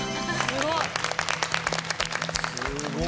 すごい。